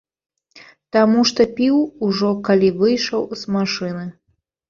Таму што піў ужо калі выйшаў з машыны.